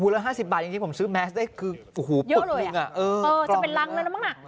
แล้ว๕๐บาทจริงผมซื้อแมสได้คือเยอะเลยจะเป็นลังเลยแล้วมั้งน่ะ